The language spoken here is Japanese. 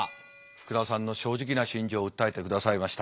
福田さんの正直な心情を訴えてくださいました。